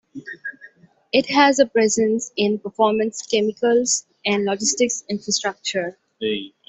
It has a presence in performance chemicals and logistics infrastructure.